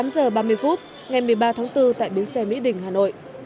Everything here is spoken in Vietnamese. tám giờ ba mươi phút ngày một mươi ba tháng bốn tại bến xe mỹ đình hà nội